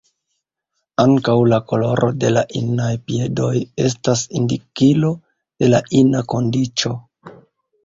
Ankaŭ la koloro de la inaj piedoj estas indikilo de la ina kondiĉo.